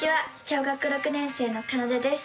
小学６年生のかなでです。